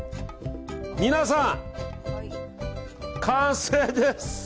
皆さん、完成です。